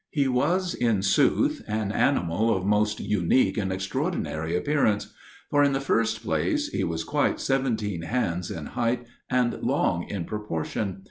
He was, in sooth, an animal of most unique and extraordinary appearance; for, in the first place, he was quite seventeen hands in height, and long in proportion.